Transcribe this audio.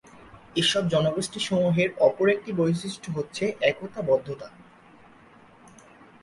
এসব জনগোষ্ঠী সমূহের অপর একটি বৈশিষ্ট্য হচ্ছে একতা-বদ্ধতা।